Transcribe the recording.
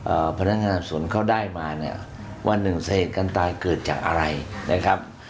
พนักงานส่วนเขาได้มาเนี่ยว่าหนึ่งสาเหตุการตายเกิดจากอะไรนะครับ